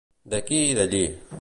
D'aquí i d'allí.